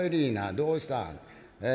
どうした？」。